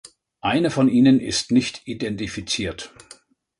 Einer von ihnen ist nicht identifiziert.